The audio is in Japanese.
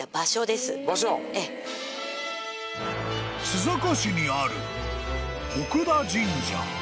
［須坂市にある］